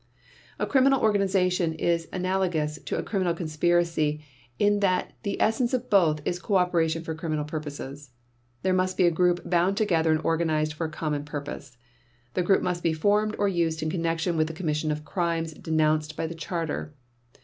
A criminal organization is analogous to a criminal conspiracy in that the essence of both is cooperation for criminal purposes. There must be a group bound together and organized for a common purpose. The group must be formed or used in connection with the commission of crimes denounced by the Charter.